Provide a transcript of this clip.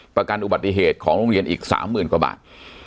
ประกันอุบัติเหตุของโรงเรียนอีก๓๐๐๐กว่าบาท